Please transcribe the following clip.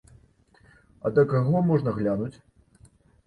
А да каго, можна глянуць?